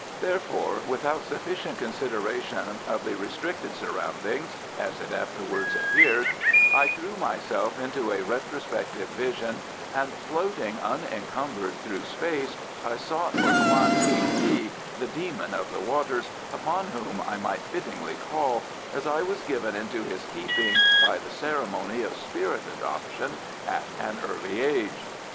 Therefore, without sufficient consideration of the restricted surroundings, as it afterwards appeared, I threw myself into a retrospective vision, and floating unencumbered through space, I sought for Kwan Kiang ti, the Demon of the Waters, upon whom I might fittingly call, as I was given into his keeping by the ceremony of spirit adoption at an early age.